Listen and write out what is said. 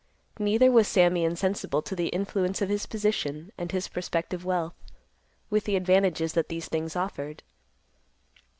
Neither was Sammy insensible to the influence of his position, and his prospective wealth, with the advantages that these things offered.